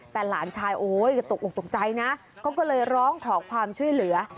แต่หลานชายตกออกตกใจก็เลยร้องถอกความช่วยเหลือ